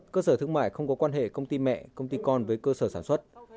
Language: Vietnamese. cơ sở thương mại không có quan hệ công ty mẹ công ty con với cơ sở sản xuất